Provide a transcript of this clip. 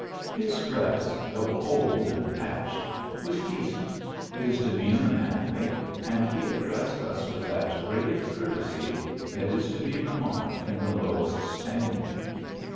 His dress, though oid and patched, was decent, his de 20 THE ALHAMBRA. meanour manly, and he addressed us with that grave courtesy that is to be remarked in the lowest Span iard.